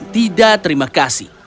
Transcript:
tidak terima kasih